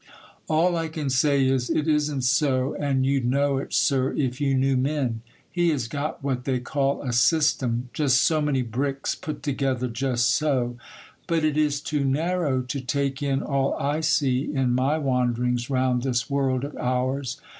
All I can say is, "It isn't so; and you'd know it, Sir, if you knew men." He has got what they call a system,—just so many bricks put together just so; but it is too narrow to take in all I see in my wanderings round this world of ours.